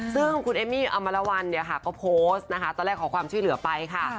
ซึ่งคุณเอมี่อำมาลวัลโพสต์ตอนแรกขอความช่วยเหลือไปค่ะ